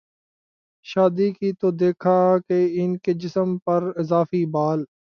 شادی کی تو دیکھا کہ ان کے جسم پراضافی بال